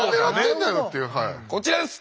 こちらです。